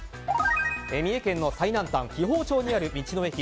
三重県の最南端、紀宝町にある道の駅